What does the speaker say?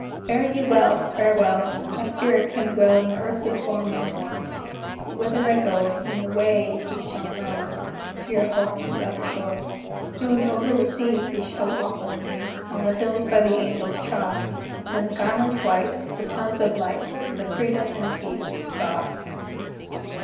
Fare ye well! farewell! My spirit can dwell In the earthly form no more; But whither I go, and the way, ye shall know, To your home on the other shore. Soon "over the sea" ye shall walk with me, On the hills by the angels trod, In the garments white, of the sons of light, In the freedom and peace of God.